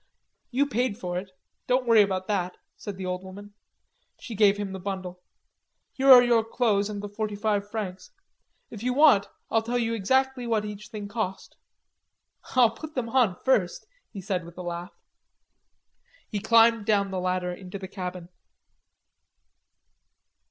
"You paid for it. Don't worry about that," said the old woman. She gave him the bundle. "Here are your clothes and the forty five francs. If you want, I'll tell you exactly what each thing cost." "I'll put them on first," he said, with a laugh. He climbed down the ladder into the cabin.